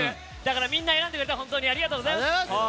みんな、選んでくれて本当にありがとうございます。